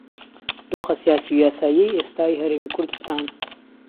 دۆخە سیاسی و یاساییەی ئێستای هەرێمی کوردستان